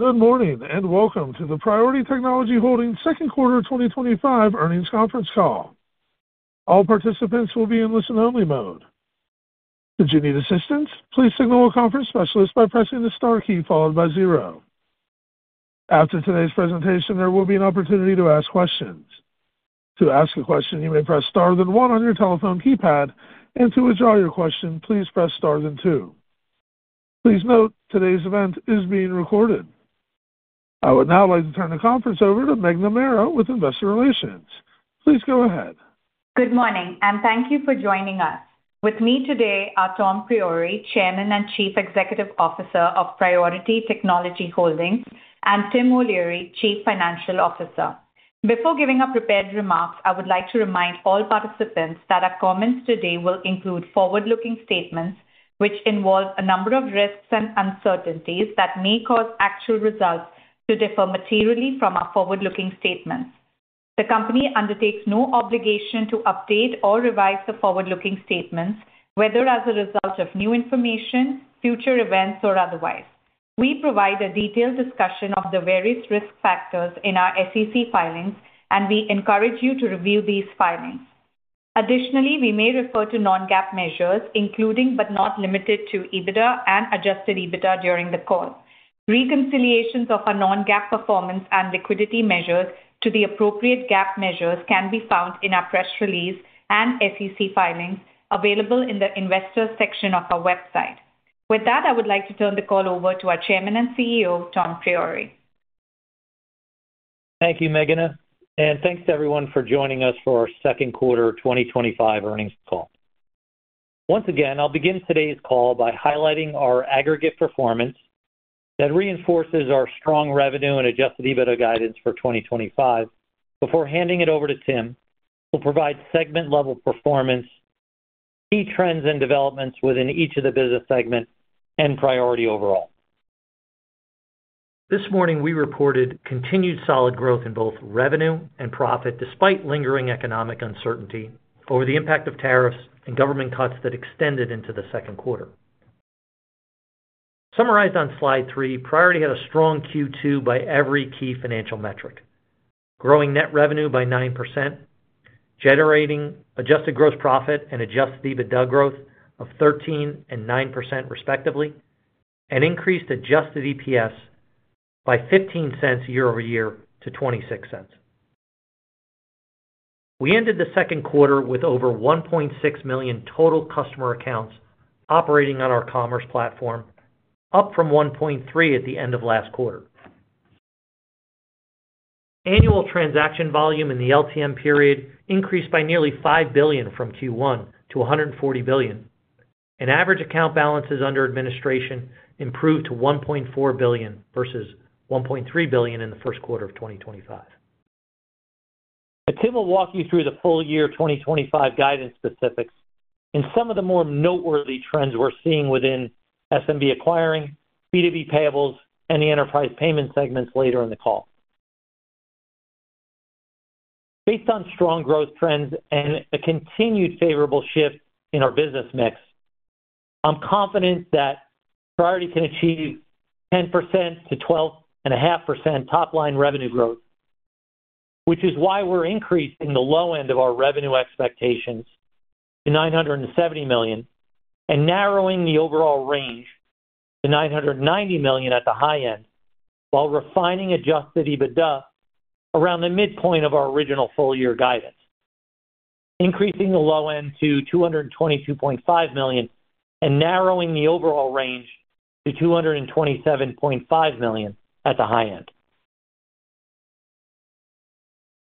Good morning and welcome to the Priority Technology Holdings second quarter 2025 earnings conference call. All participants will be in listen-only mode. Should you need assistance, please signal a conference specialist by pressing the star key followed by zero. After today's presentation, there will be an opportunity to ask questions. To ask a question, you may press star then one on your telephone keypad, and to withdraw your question, please press star then two. Please note, today's event is being recorded. I would now like to turn the conference over to Meghna Mehra with Investor Relations. Please go ahead. Good morning and thank you for joining us. With me today are Tom Priore, Chairman and Chief Executive Officer of Priority Technology Holdings, and Tim O'Leary, Chief Financial Officer. Before giving our prepared remarks, I would like to remind all participants that our comments today will include forward-looking statements, which involve a number of risks and uncertainties that may cause actual results to differ materially from our forward-looking statements. The company undertakes no obligation to update or revise the forward-looking statements, whether as a result of new information, future events, or otherwise. We provide a detailed discussion of the various risk factors in our SEC filings, and we encourage you to review these filings. Additionally, we may refer to non-GAAP measures, including but not limited to EBITDA and adjusted EBITDA during the call. Reconciliations of our non-GAAP performance and liquidity measures to the appropriate GAAP measures can be found in our press release and SEC filings available in the Investors section of our website. With that, I would like to turn the call over to our Chairman and CEO, Tom Priore. Thank you, Meghna, and thanks everyone for joining us for our second quarter 2025 earnings call. Once again, I'll begin today's call by highlighting our aggregate performance that reinforces our strong revenue and adjusted EBITDA guidance for 2025. Before handing it over to Tim, we'll provide segment-level performance, key trends and developments within each of the business segments, and Priority overall. This morning, we reported continued solid growth in both revenue and profit despite lingering economic uncertainty over the impact of tariffs and government cuts that extended into the second quarter. Summarized on slide three, Priority had a strong Q2 by every key financial metric, growing net revenue by 9%, generating adjusted gross profit and adjusted EBITDA growth of 13% and 9% respectively, and increased adjusted EPS by $0.15 year over year to $0.26. We ended the second quarter with over 1.6 million total customer accounts operating on our commerce platform, up from 1.3 million at the end of last quarter. Annual transaction volume in the LTM period increased by nearly $5 billion from Q1 to $140 billion, and average account balances under administration improved to $1.4 billion versus $1.3 billion in the first quarter of 2025. My team will walk you through the full year 2025 guidance specifics and some of the more noteworthy trends we're seeing within SMB acquiring, B2B payables, and the enterprise payment segments later in the call. Based on strong growth trends and a continued favorable shift in our business mix, I'm confident that Priority can achieve 10%-12.5% top line revenue growth, which is why we're increasing the low end of our revenue expectations to $970 million and narrowing the overall range to $990 million at the high end, while refining adjusted EBITDA around the midpoint of our original full year guidance, increasing the low end to $222.5 million and narrowing the overall range to $227.5 million at the high end.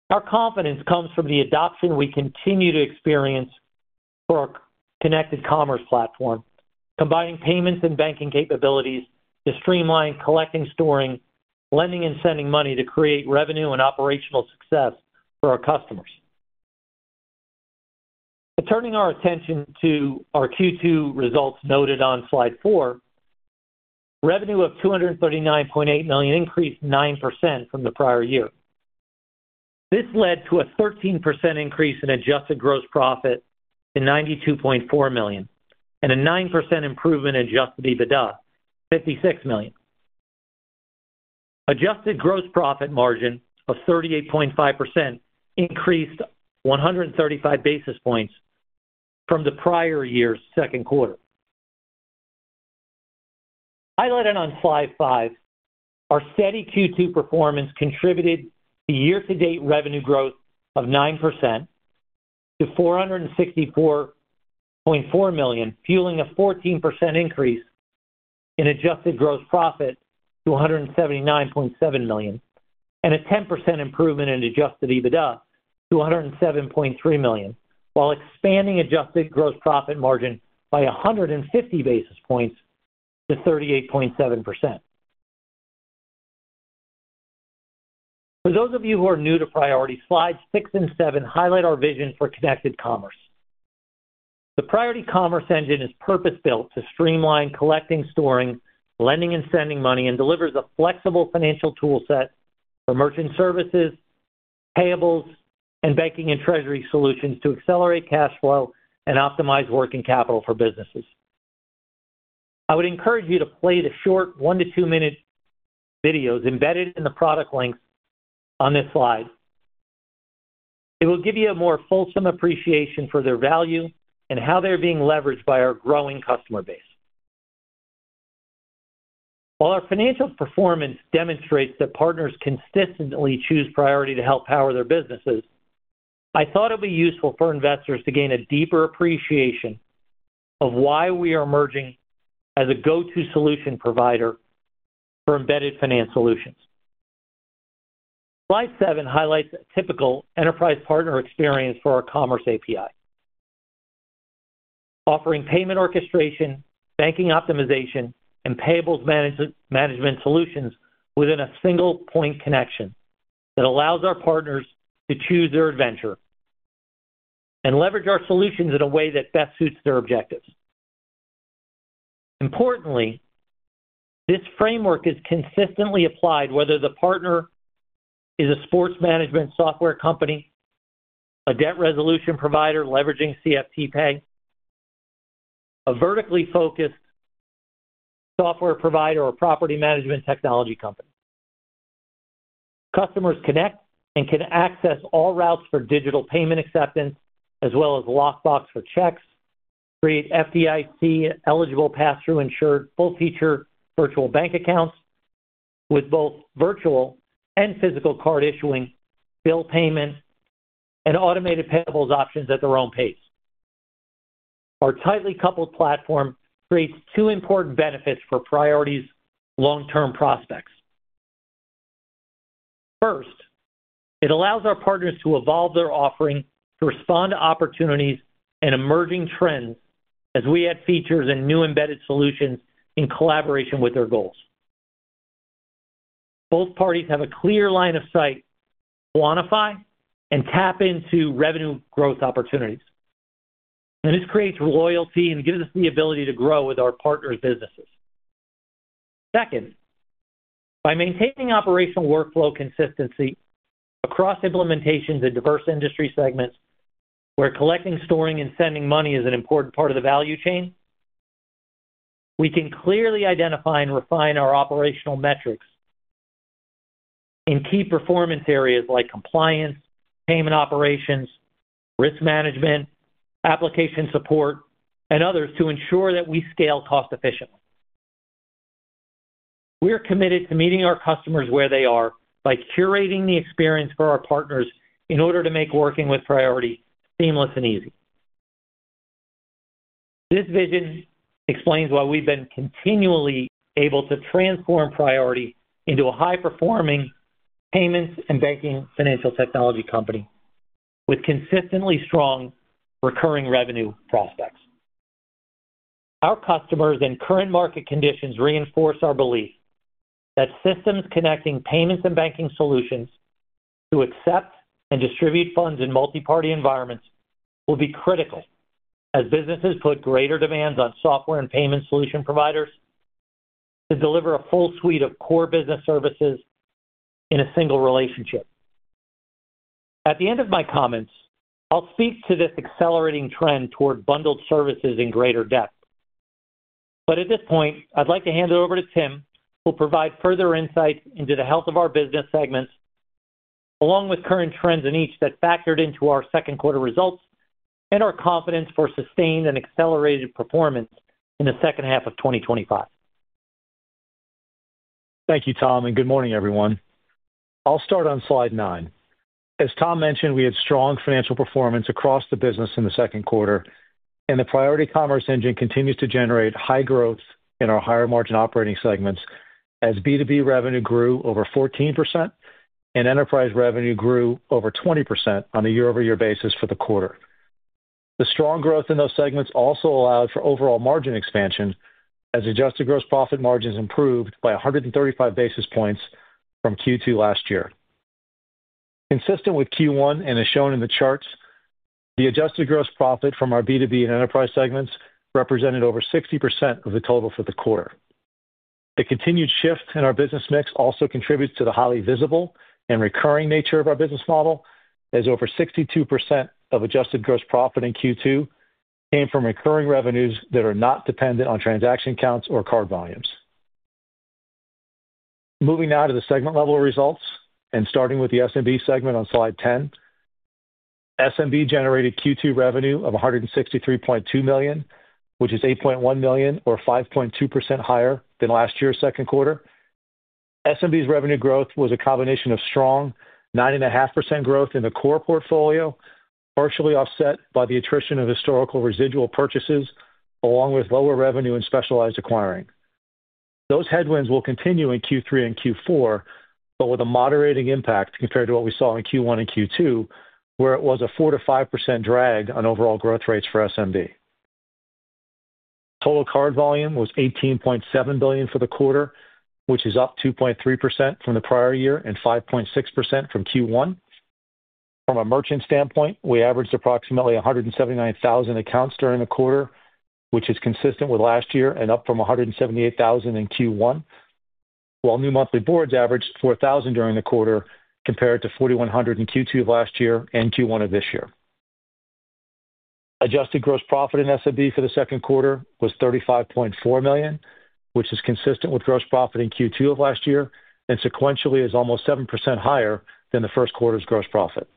Our confidence comes from the adoption we continue to experience for our connected commerce platform, combining payments and banking capabilities to streamline collecting, storing, lending, and sending money to create revenue and operational success for our customers. Turning our attention to our Q2 results noted on slide four, revenue of $239.8 million increased 9% from the prior year. This led to a 13% increase in adjusted gross profit to $92.4 million and a 9% improvement in adjusted EBITDA to $56 million. Adjusted gross profit margin of 38.5% increased 135 basis points from the prior year's second quarter. Highlighted on slide five, our steady Q2 performance contributed to year-to-date revenue growth of 9% to $464.4 million, fueling a 14% increase in adjusted gross profit to $179.7 million and a 10% improvement in adjusted EBITDA to $107.3 million, while expanding adjusted gross profit margin by 150 basis points to 38.7%. For those of you who are new to Priority, slides six and seven highlight our vision for connected commerce. The Priority Commerce Engine is purpose-built to streamline collecting, storing, lending, and sending money, and delivers a flexible financial toolset for merchant services, payables, and banking and treasury solutions to accelerate cash flow and optimize working capital for businesses. I would encourage you to play the short one to two-minute videos embedded in the product links on this slide. It will give you a more fulsome appreciation for their value and how they're being leveraged by our growing customer base. While our financial performance demonstrates that partners consistently choose Priority to help power their businesses, I thought it would be useful for investors to gain a deeper appreciation of why we are emerging as a go-to solution provider for embedded finance solutions. Slide seven highlights a typical enterprise partner experience for our commerce API, offering payment orchestration, banking optimization, and payables management solutions within a single point connection that allows our partners to choose their adventure and leverage our solutions in a way that best suits their objectives. Importantly, this framework is consistently applied whether the partner is a sports management software company, a debt resolution provider leveraging CFTPay, a vertically focused software provider, or a property management technology company. Customers connect and can access all routes for digital payment acceptance, as well as lockbox for checks, create FDIC-eligible pass-through insured full-feature virtual bank accounts with both virtual and physical card issuing, bill payments, and automated payables options at their own pace. Our tightly coupled platform creates two important benefits for Priority's long-term prospects. First, it allows our partners to evolve their offering to respond to opportunities and emerging trends as we add features and new embedded solutions in collaboration with their goals. Both parties have a clear line of sight to quantify and tap into revenue growth opportunities, and this creates loyalty and gives us the ability to grow with our partners' businesses. Second, by maintaining operational workflow consistency across implementations in diverse industry segments where collecting, storing, and sending money is an important part of the value chain, we can clearly identify and refine our operational metrics in key performance areas like compliance, payment operations, risk management, application support, and others to ensure that we scale cost efficiently. We're committed to meeting our customers where they are, by curating the experience for our partners in order to make working with Priority seamless and easy. This vision explains why we've been continually able to transform Priority into a high-performing payments and banking financial technology company with consistently strong recurring revenue prospects. Our customers and current market conditions reinforce our belief that systems connecting payments and banking solutions to accept and distribute funds in multiparty environments will be critical as businesses put greater demands on software and payment solution providers to deliver a full suite of core business services in a single relationship. At the end of my comments, I'll speak to this accelerating trend toward bundled services in greater depth. At this point, I'd like to hand it over to Tim, who'll provide further insight into the health of our business segments, along with current trends in each that factored into our second quarter results and our confidence for sustained and accelerated performance in the second half of 2025. Thank you, Tom, and good morning, everyone. I'll start on slide nine. As Tom mentioned, we had strong financial performance across the business in the second quarter, and the Priority Commerce Engine continues to generate high growth in our higher margin operating segments as B2B revenue grew over 14% and enterprise revenue grew over 20% on a year-over-year basis for the quarter. The strong growth in those segments also allowed for overall margin expansion as adjusted gross profit margins improved by 135 basis points from Q2 last year. Consistent with Q1 and as shown in the charts, the adjusted gross profit from our B2B and enterprise segments represented over 60% of the total for the quarter. The continued shift in our business mix also contributes to the highly visible and recurring nature of our business model, as over 62% of adjusted gross profit in Q2 came from recurring revenues that are not dependent on transaction counts or card volumes. Moving now to the segment-level results and starting with the SMB segment on slide 10, SMB generated Q2 revenue of $163.2 million, which is $8.1 million or 5.2% higher than last year's second quarter. SMB's revenue growth was a combination of strong 9.5% growth in the core portfolio, partially offset by the attrition of historical residual purchases, along with lower revenue in specialized acquiring. Those headwinds will continue in Q3 and Q4, but with a moderating impact compared to what we saw in Q1 and Q2, where it was a 4%-5% drag on overall growth rates for SMB. Total card volume was $18.7 billion for the quarter, which is up 2.3% from the prior year and 5.6% from Q1. From a merchant standpoint, we averaged approximately 179,000 accounts during the quarter, which is consistent with last year and up from 178,000 in Q1, while new monthly boards averaged 4,000 during the quarter compared to 4,100 in Q2 of last year and Q1 of this year. Adjusted gross profit in SMB for the second quarter was $35.4 million, which is consistent with gross profit in Q2 of last year and sequentially is almost 7% higher than the first quarter's gross profit.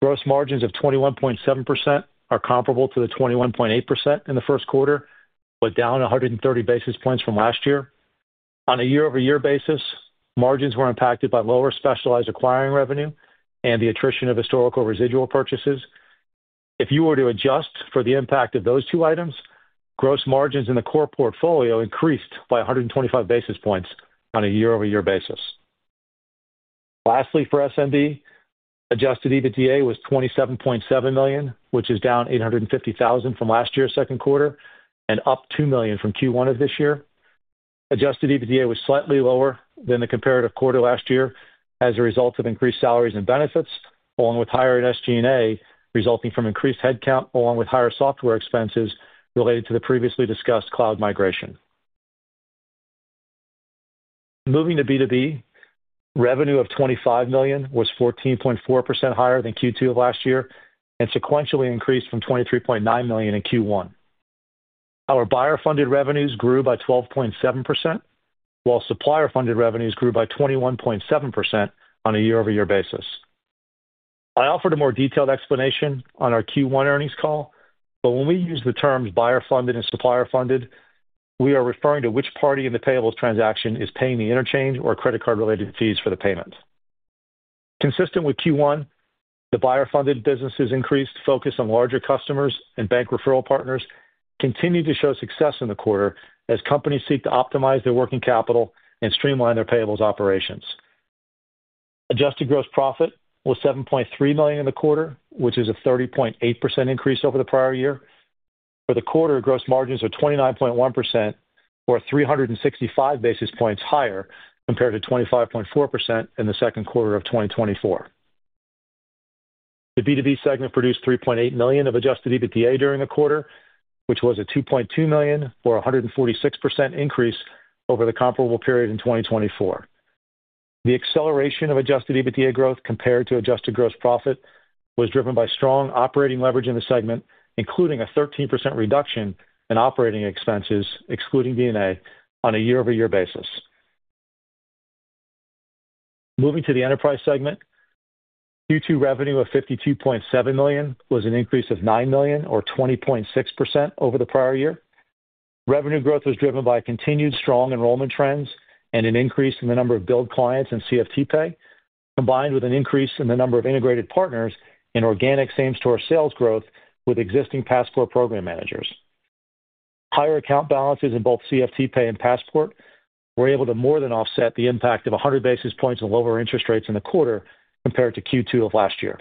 Gross margins of 21.7% are comparable to the 21.8% in the first quarter, but down 130 basis points from last year. On a year-over-year basis, margins were impacted by lower specialized acquiring revenue and the attrition of historical residual purchases. If you were to adjust for the impact of those two items, gross margins in the core portfolio increased by 125 basis points on a year-over-year basis. Lastly, for SMB, adjusted EBITDA was $27.7 million, which is down $850,000 from last year's second quarter and up $2 million from Q1 of this year. Adjusted EBITDA was slightly lower than the comparative quarter last year as a result of increased salaries and benefits, along with higher SG&A, resulting from increased headcount, along with higher software expenses related to the previously discussed cloud migration. Moving to B2B, revenue of $25 million was 14.4% higher than Q2 of last year and sequentially increased from $23.9 million in Q1. Our buyer-funded revenues grew by 12.7%, while supplier-funded revenues grew by 21.7% on a year-over-year basis. I offered a more detailed explanation on our Q1 earnings call, but when we use the terms buyer-funded and supplier-funded, we are referring to which party in the payables transaction is paying the interchange or credit card-related fees for the payment. Consistent with Q1, the buyer-funded businesses' increased focus on larger customers and bank referral partners continued to show success in the quarter as companies seek to optimize their working capital and streamline their payables operations. Adjusted gross profit was $7.3 million in the quarter, which is a 30.8% increase over the prior year. For the quarter, gross margins are 29.1% or 365 basis points higher compared to 25.4% in the second quarter of 2024. The B2B segment produced $3.8 million of adjusted EBITDA during the quarter, which was a $2.2 million or 146% increase over the comparable period in 2024. The acceleration of adjusted EBITDA growth compared to adjusted gross profit was driven by strong operating leverage in the segment, including a 13% reduction in operating expenses, excluding D&A, on a year-over-year basis. Moving to the enterprise segment, Q2 revenue of $52.7 million was an increase of $9 million or 20.6% over the prior year. Revenue growth was driven by continued strong enrollment trends and an increase in the number of billed clients in CFTPay, combined with an increase in the number of integrated partners and organic same-store sales growth with existing Passport program managers. Higher account balances in both CFTPay and Passport were able to more than offset the impact of 100 basis points of lower interest rates in the quarter compared to Q2 of last year.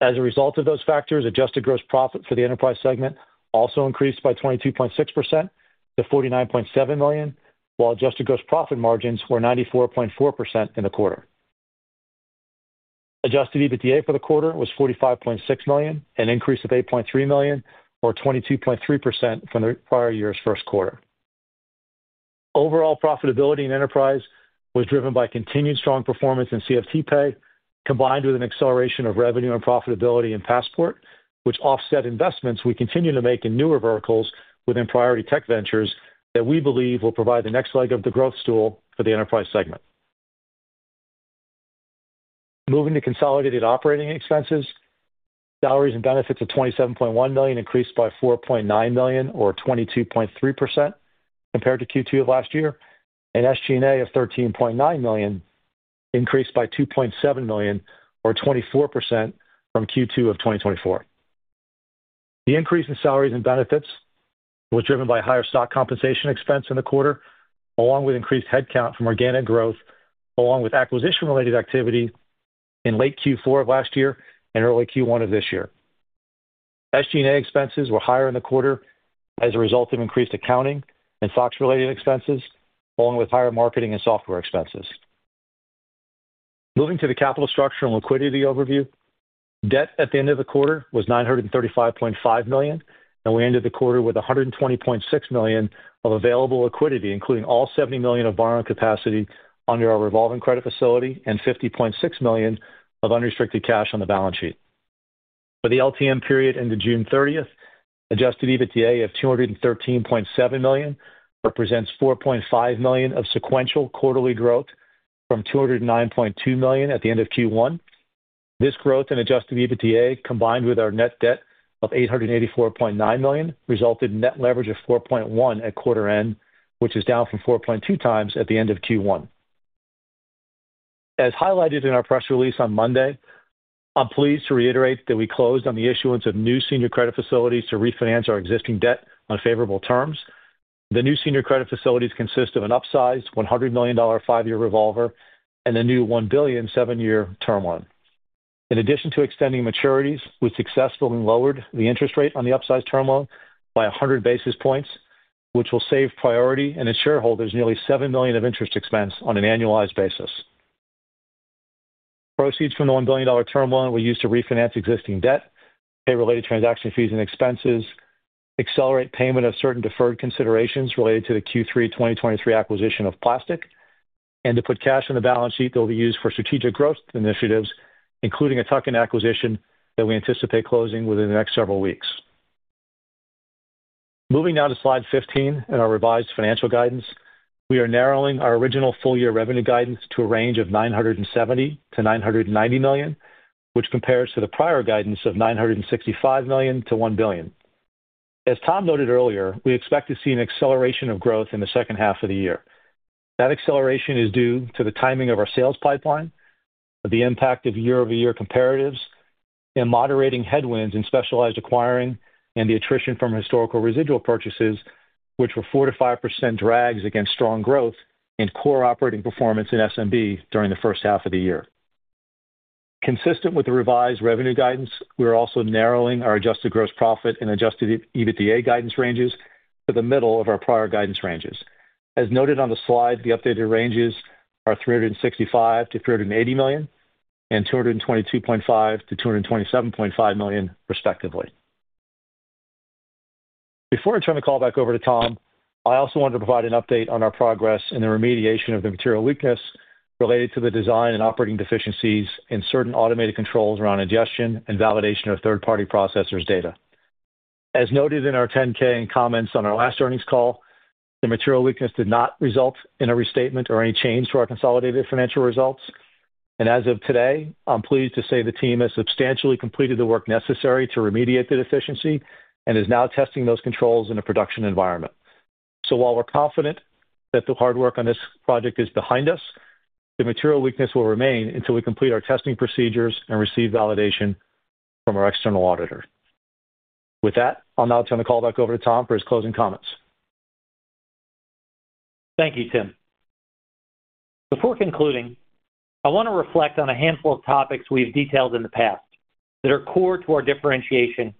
As a result of those factors, adjusted gross profit for the enterprise segment also increased by 22.6% to $49.7 million, while adjusted gross profit margins were 94.4% in the quarter. Adjusted EBITDA for the quarter was $45.6 million, an increase of $8.3 million or 22.3% from the prior year's first quarter. Overall profitability in enterprise was driven by continued strong performance in CFTPay, combined with an acceleration of revenue and profitability in Passport, which offset investments we continue to make in newer verticals within Priority Tech Ventures that we believe will provide the next leg of the growth stool for the enterprise segment. Moving to consolidated operating expenses, salaries and benefits of $27.1 million increased by $4.9 million or 22.3% compared to Q2 of last year, and SG&A of $13.9 million increased by $2.7 million or 24% from Q2 of 2024. The increase in salaries and benefits was driven by a higher stock compensation expense in the quarter, along with increased headcount from organic growth, along with acquisition-related activity in late Q4 of last year and early Q1 of this year. SG&A expenses were higher in the quarter as a result of increased accounting and SOX-related expenses, along with higher marketing and software expenses. Moving to the capital structure and liquidity overview, debt at the end of the quarter was $935.5 million, and we ended the quarter with $120.6 million of available liquidity, including all $70 million of borrowing capacity under our revolving credit facility and $50.6 million of unrestricted cash on the balance sheet. For the LTM period ended June 30th, adjusted EBITDA of $213.7 million represents $4.5 million of sequential quarterly growth from $209.2 million at the end of Q1. This growth in adjusted EBITDA, combined with our net debt of $884.9 million, resulted in net leverage of 4.1 at quarter end, which is down from 4.2 times at the end of Q1. As highlighted in our press release on Monday, I'm pleased to reiterate that we closed on the issuance of new senior credit facilities to refinance our existing debt on favorable terms. The new senior credit facilities consist of an upsized $100 million five-year revolver and a new $1 billion seven-year term loan. In addition to extending maturities, we successfully lowered the interest rate on the upsized term loan by 100 basis points, which will save Priority and its shareholders nearly $7 million of interest expense on an annualized basis. Proceeds from the $1 billion term loan were used to refinance existing debt, pay related transaction fees and expenses, accelerate payment of certain deferred considerations related to the Q3 2023 acquisition of Plastiq, and to put cash on the balance sheet that will be used for strategic growth initiatives, including a tuck-in acquisition that we anticipate closing within the next several weeks. Moving now to slide 15 in our revised financial guidance, we are narrowing our original full-year revenue guidance to a range of $970 million to $990 million, which compares to the prior guidance of $965 million to $1 billion. As Tom noted earlier, we expect to see an acceleration of growth in the second half of the year. That acceleration is due to the timing of our sales pipeline, the impact of year-over-year comparatives, and moderating headwinds in specialized acquiring and the attrition from historical residual purchases, which were 4% to 5% drags against strong growth and core operating performance in SMB during the first half of the year. Consistent with the revised revenue guidance, we are also narrowing our adjusted gross profit and adjusted EBITDA guidance ranges to the middle of our prior guidance ranges. As noted on the slide, the updated ranges are $365 million to $380 million and $222.5 million-$227.5 million, respectively. Before I turn the call back over to Tom, I also wanted to provide an update on our progress in the remediation of the material weakness related to the design and operating deficiencies in certain automated controls around ingestion and validation of third-party processors' data. As noted in our 10K and comments on our last earnings call, the material weakness did not result in a restatement or any change to our consolidated financial results. As of today, I'm pleased to say the team has substantially completed the work necessary to remediate the deficiency and is now testing those controls in a production environment. While we're confident that the hard work on this project is behind us, the material weakness will remain until we complete our testing procedures and receive validation from our external auditor. With that, I'll now turn the call back over to Tom for his closing comments. Thank you, Tim. Before concluding, I want to reflect on a handful of topics we've detailed in the past that are core to our differentiation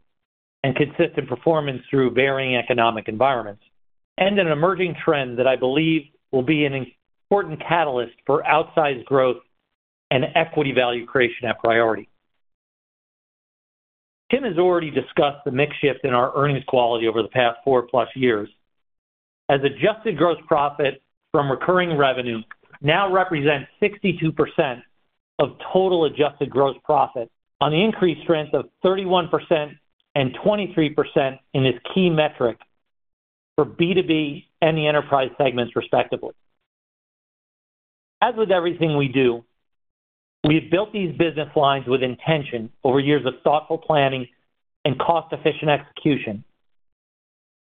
and consistent performance through varying economic environments and an emerging trend that I believe will be an important catalyst for outsized growth and equity value creation at Priority. Tim has already discussed the mix shift in our earnings quality over the past four plus years, as adjusted gross profit from recurring revenue now represents 62% of total adjusted gross profit on the increased strength of 31% and 23% in this key metric for B2B and the enterprise segments, respectively. As with everything we do, we have built these business lines with intention over years of thoughtful planning and cost-efficient execution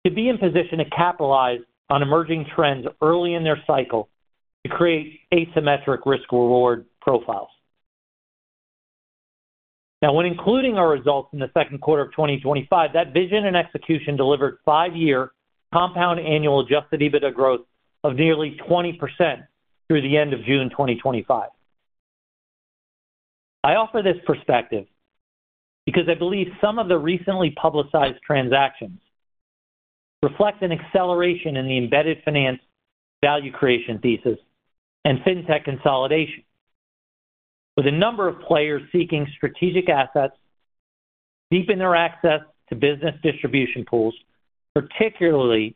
to be in position to capitalize on emerging trends early in their cycle to create asymmetric risk-reward profiles. Now, when including our results in the second quarter of 2025, that vision and execution delivered five-year compound annual adjusted EBITDA growth of nearly 20% through the end of June 2025. I offer this perspective because I believe some of the recently publicized transactions reflect an acceleration in the embedded finance value creation thesis and fintech consolidation, with a number of players seeking strategic assets deep in their access to business distribution pools, particularly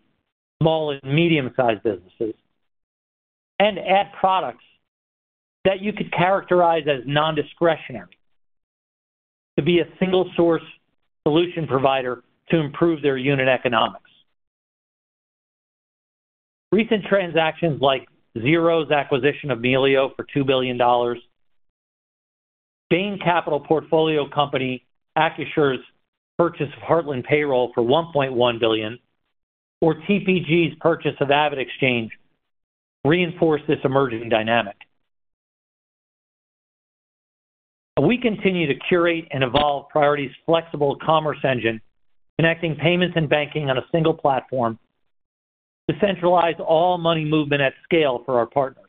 small and medium-sized businesses, and add products that you could characterize as non-discretionary to be a single source solution provider to improve their unit economics. Recent transactions like Xero's acquisition of Melio for $2 billion, Bain Capital portfolio company Acrisure's purchase of Heartland Payroll for $1.1 billion, or TPG's purchase of AvidXchange reinforce this emerging dynamic. We continue to curate and evolve Priority's flexible commerce engine, connecting payments and banking on a single platform to centralize all money movement at scale for our partners,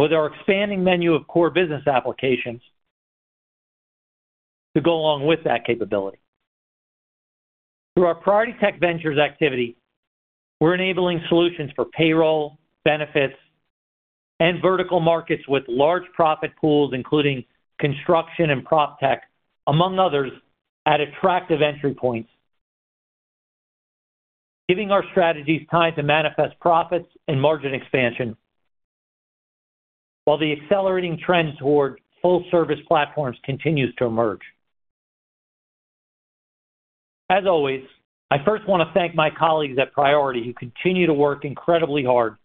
with our expanding menu of core business applications to go along with that capability. Through our Priority Tech Ventures activity, we're enabling solutions for payroll, benefits, and vertical markets with large profit pools, including construction and prop tech, among others, at attractive entry points, giving our strategies time to manifest profits and margin expansion while the accelerating trend toward full-service platforms continues to emerge. As always, I first want to thank my colleagues at Priority who continue to work incredibly hard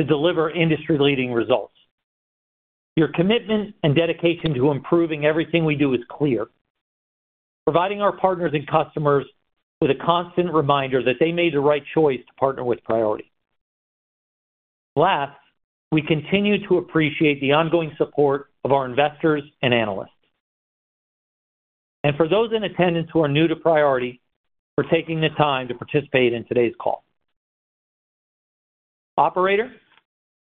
to deliver industry-leading results. Your commitment and dedication to improving everything we do is clear, providing our partners and customers with a constant reminder that they made the right choice to partner with Priority. Last, we continue to appreciate the ongoing support of our investors and analysts. For those in attendance who are new to Priority, thank you for taking the time to participate in today's call. Operator,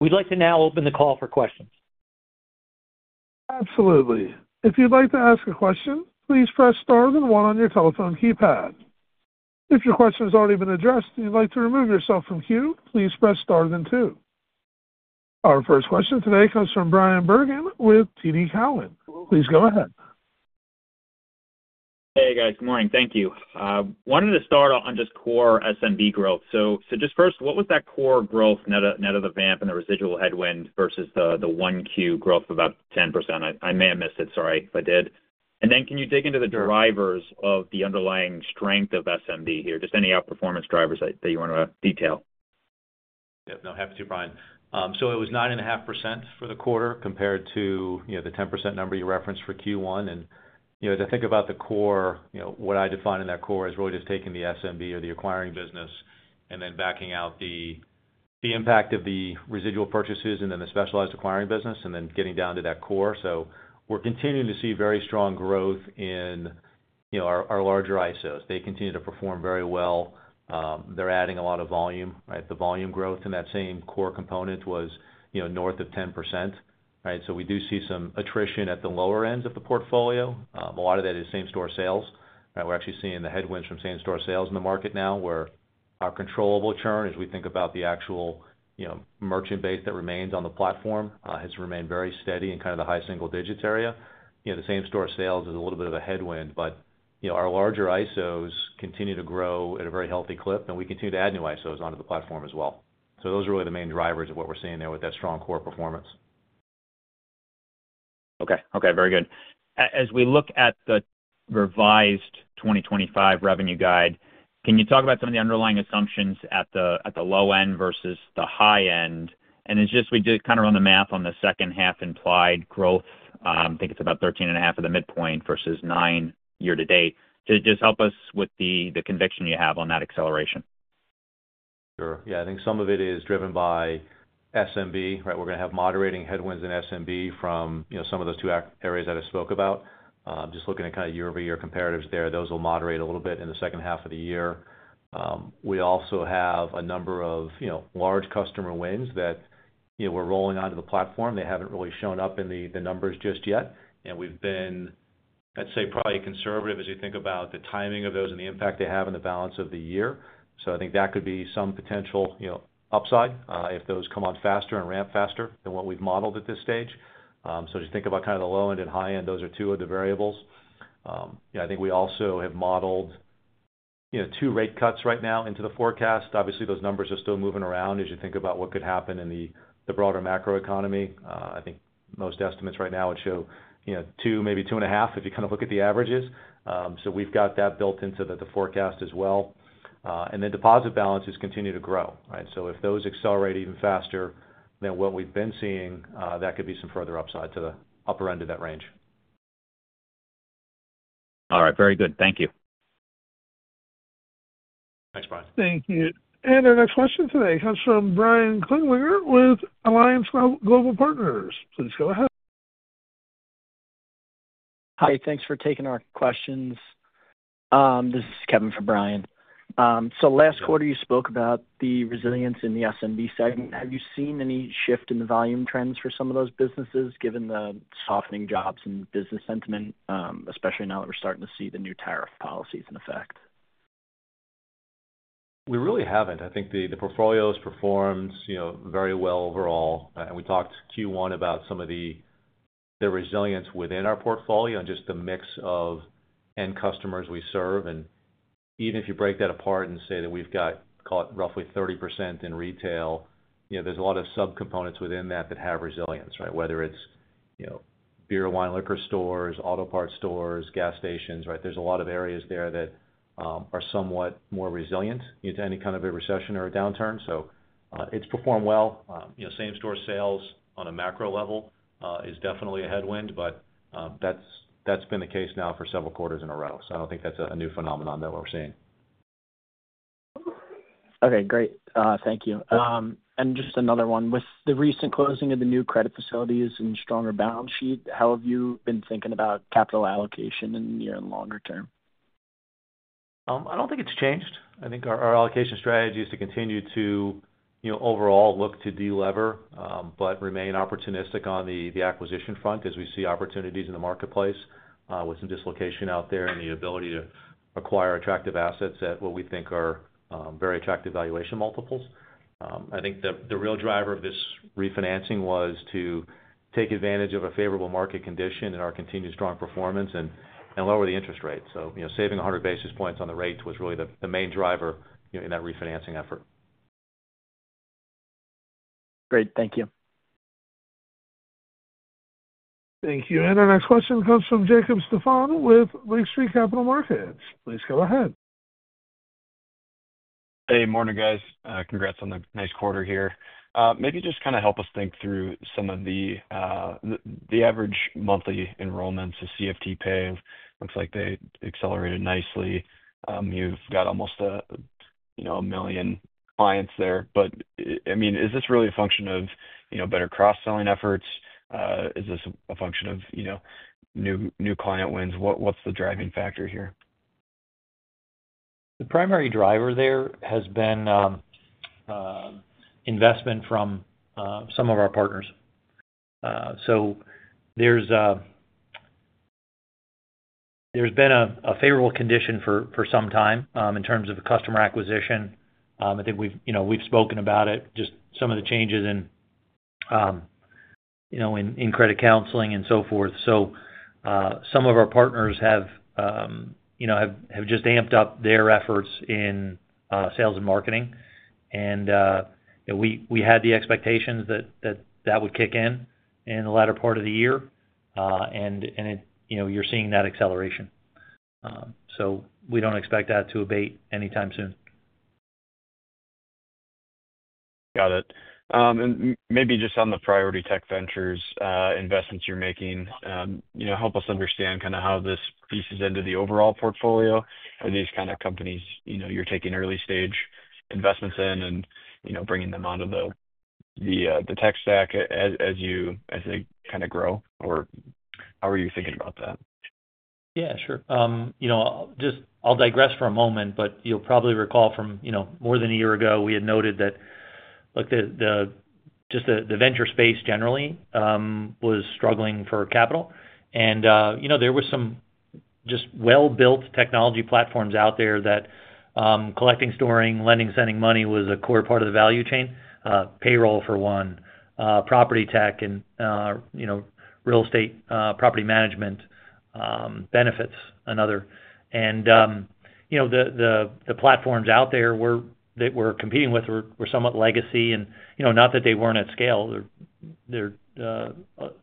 we'd like to now open the call for questions. Absolutely. If you'd like to ask a question, please press star then one on your telephone keypad. If your question has already been addressed and you'd like to remove yourself from queue, please press star then two. Our first question today comes from Bryan Bergin with TD Cowen. Please go ahead. Hey guys, good morning. Thank you. Wanted to start on just core SMB growth. What was that core growth net of the VAMP and the residual headwind versus the one-Q growth of about 10%? I may have missed it. Sorry if I did. Can you dig into the drivers of the underlying strength of SMB here? Any outperformance drivers that you want to detail? Yep, no hesitancy, Bryan. It was 9.5% for the quarter compared to the 10% number you referenced for Q1. To think about the core, what I define in that core is really just taking the SMB or the acquiring business and then backing out the impact of the residual purchases and then the specialized acquiring business and then getting down to that core. We're continuing to see very strong growth in our larger ISOs. They continue to perform very well. They're adding a lot of volume. The volume growth in that same core component was north of 10%. We do see some attrition at the lower ends of the portfolio. A lot of that is same-store sales. We're actually seeing the headwinds from same-store sales in the market now where our controllable churn, as we think about the actual merchant base that remains on the platform, has remained very steady in kind of the high single-digit area. The same-store sales is a little bit of a headwind, but our larger ISOs continue to grow at a very healthy clip, and we continue to add new ISOs onto the platform as well. Those are really the main drivers of what we're seeing there with that strong core performance. Okay, very good. As we look at the revised 2025 revenue guide, can you talk about some of the underlying assumptions at the low end versus the high end? We did kind of run the math on the second half implied growth. I think it's about 13.5% at the midpoint versus 9% year to date. Just help us with the conviction you have on that acceleration. Sure. I think some of it is driven by SMB, right? We're going to have moderating headwinds in SMB from some of those two areas that I spoke about. Just looking at kind of year-over-year comparatives there, those will moderate a little bit in the second half of the year. We also have a number of large customer wins that we're rolling onto the platform. They haven't really shown up in the numbers just yet. We've been, I'd say, probably conservative as we think about the timing of those and the impact they have in the balance of the year. I think that could be some potential upside if those come on faster and ramp faster than what we've modeled at this stage. As you think about kind of the low end and high end, those are two of the variables. I think we also have modeled two rate cuts right now into the forecast. Obviously, those numbers are still moving around as you think about what could happen in the broader macro economy. I think most estimates right now would show two, maybe two and a half if you kind of look at the averages. We've got that built into the forecast as well. Then deposit balances continue to grow, right? If those accelerate even faster than what we've been seeing, that could be some further upside to the upper end of that range. All right, very good. Thank you. Thanks, Bryan. Thank you. Our next question today comes from Brian Kinstlinger with Alliance Global Partners. Please go ahead. Hi, thanks for taking our questions. This is Kevin for Brian. Last quarter you spoke about the resilience in the SMB segment. Have you seen any shift in the volume trends for some of those businesses, given the softening jobs and business sentiment, especially now that we're starting to see the new tariff policies in effect? We really haven't. I think the portfolios performed very well overall. We talked Q1 about some of the resilience within our portfolio and just the mix of end customers we serve. Even if you break that apart and say that we've got, call it roughly 30% in retail, there's a lot of subcomponents within that that have resilience, right? Whether it's beer, wine, liquor stores, auto parts stores, gas stations, there's a lot of areas there that are somewhat more resilient to any kind of a recession or a downturn. It's performed well. Same-store sales on a macro level is definitely a headwind, but that's been the case now for several quarters in a row. I don't think that's a new phenomenon that we're seeing. Okay, great. Thank you. Just another one. With the recent closing of the new credit facilities and stronger balance sheet, how have you been thinking about capital allocation in the near and longer term? I don't think it's changed. I think our allocation strategy is to continue to, you know, overall look to delever, but remain opportunistic on the acquisition front as we see opportunities in the marketplace with some dislocation out there and the ability to acquire attractive assets at what we think are very attractive valuation multiples. I think the real driver of this refinancing was to take advantage of a favorable market condition and our continued strong performance and lower the interest rate. Saving 100 basis points on the rates was really the main driver in that refinancing effort. Great, thank you. Thank you. Our next question comes from Jacob Stephan with Lake Street Capital Markets. Please go ahead. Hey, morning guys. Congrats on the nice quarter here. Maybe just kind of help us think through some of the average monthly enrollments of CFTPay. It looks like they accelerated nicely. You've got almost a million clients there. Is this really a function of better cross-selling efforts? Is this a function of new client wins? What's the driving factor here? The primary driver there has been investment from some of our partners. There's been a favorable condition for some time in terms of customer acquisition. I think we've spoken about it, just some of the changes in credit counseling and so forth. Some of our partners have just amped up their efforts in sales and marketing. We had the expectations that that would kick in in the latter part of the year. You're seeing that acceleration. We don't expect that to abate anytime soon. Got it. Maybe just on the Priority Tech Ventures investments you're making, help us understand kind of how this pieces into the overall portfolio. Are these kind of companies you're taking early stage investments in and bringing them onto the tech stack as they kind of grow? How are you thinking about that? Yeah, sure. I'll digress for a moment, but you'll probably recall from more than a year ago, we had noted that the venture space generally was struggling for capital. There were some well-built technology platforms out there that collecting, storing, lending, sending money was a core part of the value chain. Payroll for one, property tech, and real estate property management benefits another. The platforms out there that we're competing with were somewhat legacy. Not that they weren't at scale. There are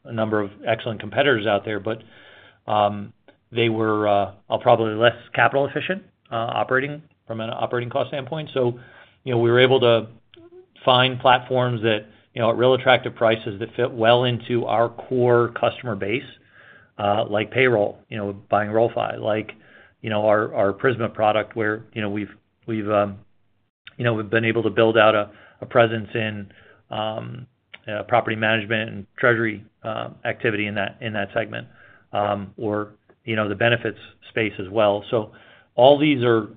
a number of excellent competitors out there, but they were probably less capital efficient operating from an operating cost standpoint. We were able to find platforms at real attractive prices that fit well into our core customer base, like Payroll, buying Rollfi, like our Prisma product where we've been able to build out a presence in property management and treasury activity in that segment or the benefits space as well. All these are,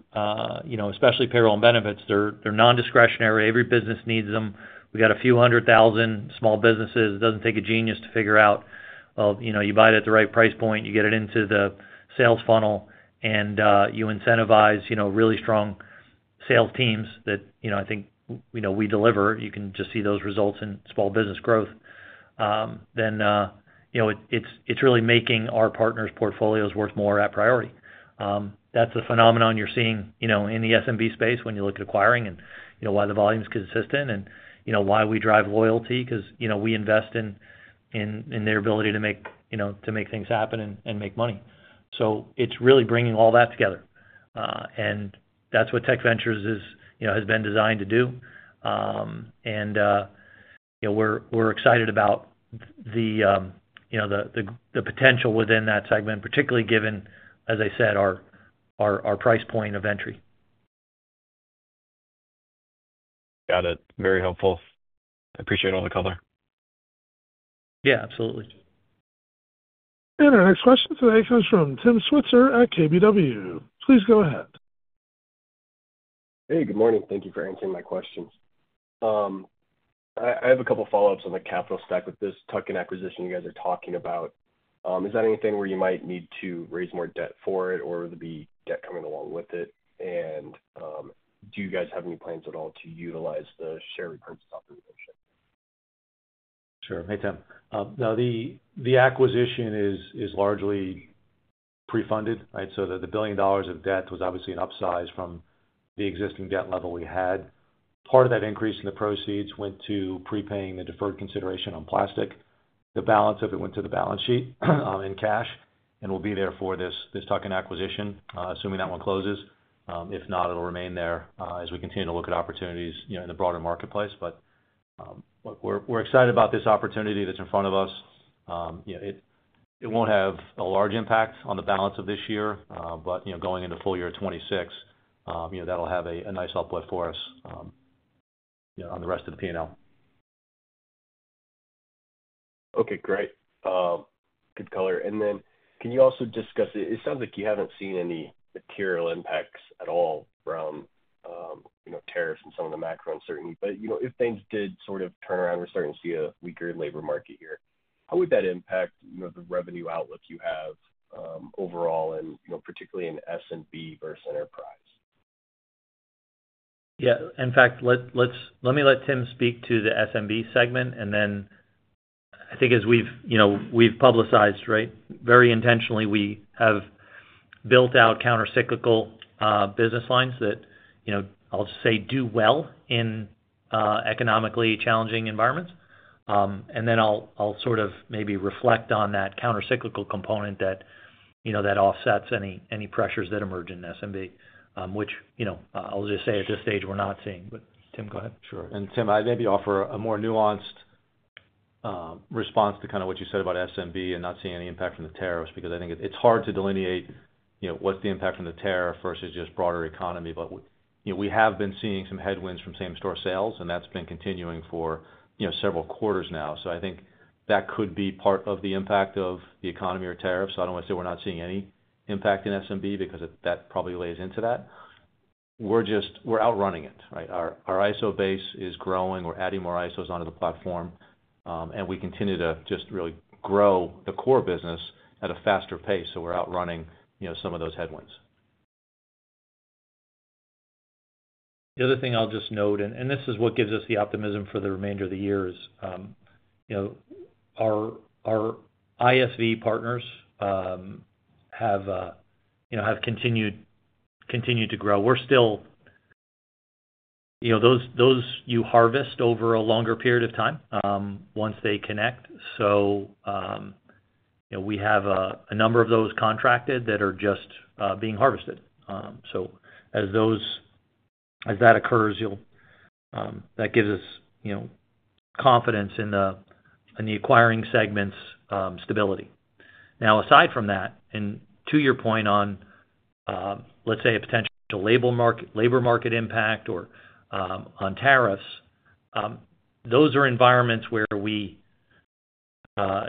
especially Payroll and Benefits, they're non-discretionary. Every business needs them. We've got a few hundred thousand small businesses. It doesn't take a genius to figure out, you buy it at the right price point, you get it into the sales funnel, and you incentivize really strong sales teams that I think we deliver. You can just see those results in small business growth. It's really making our partners' portfolios worth more at Priority. That's a phenomenon you're seeing in the SMB space when you look at acquiring and why the volume's consistent and why we drive loyalty because we invest in their ability to make things happen and make money. It's really bringing all that together. That's what Tech Ventures has been designed to do. We're excited about the potential within that segment, particularly given, as I said, our price point of entry. Got it. Very helpful. I appreciate all the color. Yeah, absolutely. Our next question today comes from Tim Switzer at KBW. Please go ahead. Hey, good morning. Thank you for answering my questions. I have a couple follow-ups on the capital stack with this tuck-in acquisition you guys are talking about. Is that anything where you might need to raise more debt for it, or would there be debt coming along with it? Do you guys have any plans at all to utilize the share repurchase operation? Sure. Hey, Tim. Now, the acquisition is largely pre-funded, right? The $1 billion of debt was obviously an upsize from the existing debt level we had. Part of that increase in the proceeds went to pre-paying the deferred consideration on Plastiq. The balance of it went to the balance sheet in cash and will be there for this tuck-in acquisition, assuming that one closes. If not, it'll remain there as we continue to look at opportunities in the broader marketplace. We're excited about this opportunity that's in front of us. It won't have a large impact on the balance of this year, but going into full year 2026, that'll have a nice uplift for us on the rest of the P&L. Okay, great. Good color. Can you also discuss, it sounds like you haven't seen any material impacts at all around, you know, tariffs and some of the macro uncertainty. If things did sort of turn around, we're starting to see a weaker labor market here. How would that impact, you know, the revenue outlook you have overall and, you know, particularly in SMB versus enterprise? In fact, let me let Tim speak to the SMB segment. I think as we've publicized, very intentionally, we have built out countercyclical business lines that, I'll just say, do well in economically challenging environments. I'll sort of maybe reflect on that countercyclical component that offsets any pressures that emerge in SMB, which, I'll just say, at this stage we're not seeing. Tim, go ahead. Sure. Tim, I'd maybe offer a more nuanced response to what you said about SMB and not seeing any impact from the tariffs because I think it's hard to delineate what's the impact from the tariff versus just broader economy. We have been seeing some headwinds from same-store sales, and that's been continuing for several quarters now. I think that could be part of the impact of the economy or tariffs. I don't want to say we're not seeing any impact in SMB because that probably lays into that. We're just outrunning it, right? Our ISO base is growing. We're adding more ISOs onto the platform, and we continue to really grow the core business at a faster pace. We're outrunning some of those headwinds. The other thing I'll just note, and this is what gives us the optimism for the remainder of the year, our ISV partners have continued to grow. We're still, those you harvest over a longer period of time once they connect. We have a number of those contracted that are just being harvested. As that occurs, that gives us confidence in the acquiring segment's stability. Now, aside from that, and to your point on, let's say, a potential labor market impact or on tariffs, those are environments where we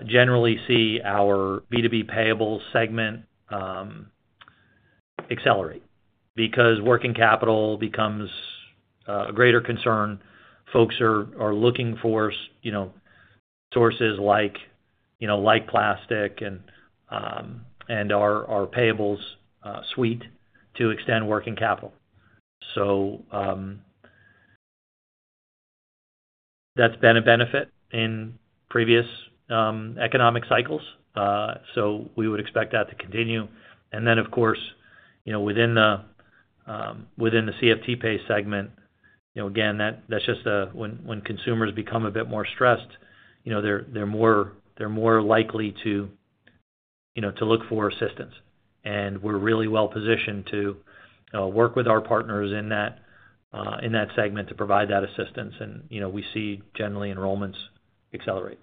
generally see our B2B payables segment accelerate because working capital becomes a greater concern. Folks are looking for sources like Plastiq and our payables suite to extend working capital. That's been a benefit in previous economic cycles. We would expect that to continue. Of course, within the CFTPay segment, that's just when consumers become a bit more stressed, they're more likely to look for assistance. We're really well positioned to work with our partners in that segment to provide that assistance. We see generally enrollments accelerate.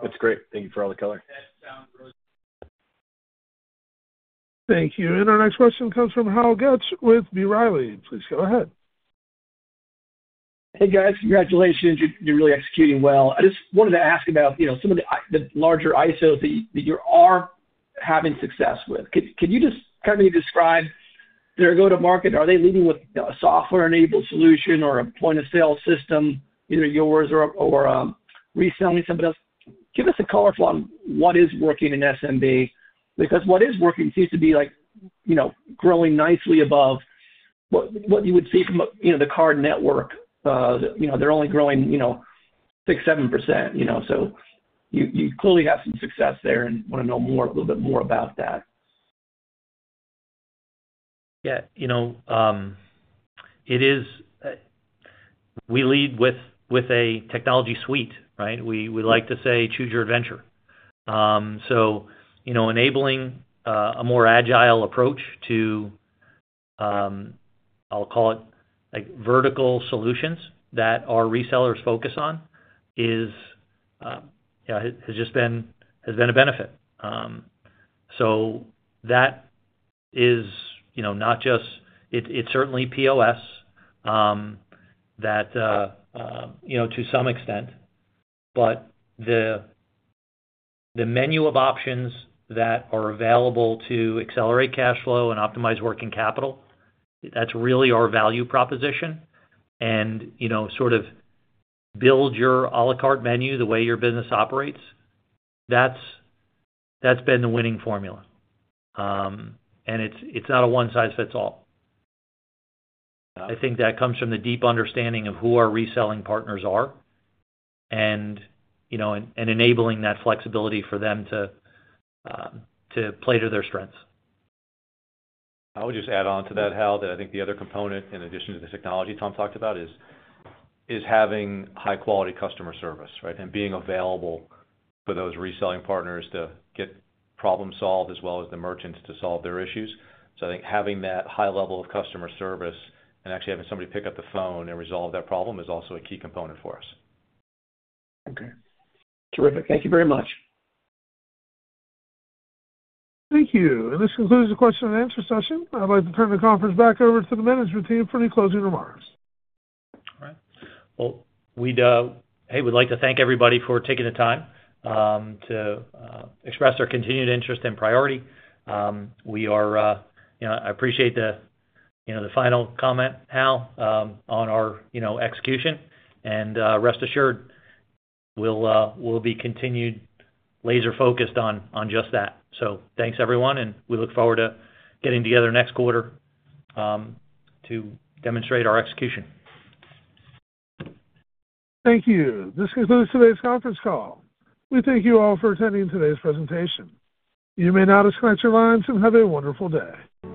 That's great. Thank you for all the color. Thank you. Our next question comes from Hal Goetsch with B. Riley. Please go ahead. Hey guys, congratulations. You're really executing well. I just wanted to ask about some of the larger ISOs that you are having success with. Could you just kind of describe their go-to-market? Are they leading with a software-enabled solution or a point-of-sale system, either yours or reselling somebody else? Give us a color flow on what is working in SMB because what is working seems to be growing nicely above what you would see from the card network. They're only growing 6%, 7%, so you clearly have some success there and want to know more, a little bit more about that. Yeah, it is, we lead with a technology suite, right? We like to say choose your adventure. Enabling a more agile approach to, I'll call it, like vertical solutions that our resellers focus on has just been a benefit. That is not just, it's certainly POS that, you know, to some extent, but the menu of options that are available to accelerate cash flow and optimize working capital, that's really our value proposition. Sort of build your a la carte menu the way your business operates, that's been the winning formula. It's not a one-size-fits-all. I think that comes from the deep understanding of who our reselling partners are and enabling that flexibility for them to play to their strengths. I'll just add on to that, Hal, that I think the other component, in addition to the technology Tom talked about, is having high-quality customer service, right, and being available for those reselling partners to get problems solved as well as the merchants to solve their issues. I think having that high level of customer service and actually having somebody pick up the phone and resolve that problem is also a key component for us. Okay. Terrific. Thank you very much. Thank you. This concludes the question and answer session. I'd like to turn the conference back over to the management team for any closing remarks. All right. We'd like to thank everybody for taking the time to express their continued interest in Priority. I appreciate the final comment, Hal, on our execution. Rest assured, we'll be continued laser-focused on just that. Thanks everyone, and we look forward to getting together next quarter to demonstrate our execution. Thank you. This concludes today's conference call. We thank you all for attending today's presentation. You may now disconnect your lines and have a wonderful day.